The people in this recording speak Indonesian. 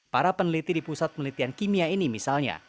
para peneliti di pusat penelitian kimia ini misalnya